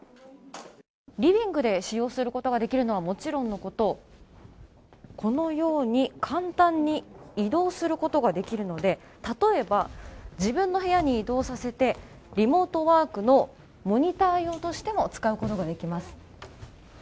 リビングで使用することができるのはもちろんのこと、このように、簡単に移動することができるので、たとえば、自分の部屋に移動させてリモートワークのモニター用としても使うことができます。